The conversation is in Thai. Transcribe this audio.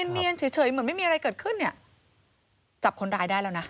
เนียนเฉยเหมือนไม่มีอะไรเกิดขึ้นเนี่ยจับคนร้ายได้แล้วนะ